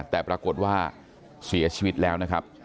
แต่ปรากฏว่าเสียชีวิตแล้ว